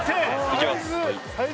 いきます。